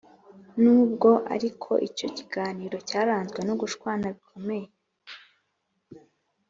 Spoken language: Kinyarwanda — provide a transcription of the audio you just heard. nubwo ariko icyo kiganiro cyaranzwe no gushwana bikomeye,